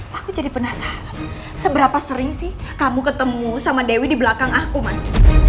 aku jadi penasaran seberapa sering sih kamu ketemu sama dewi di belakang aku mas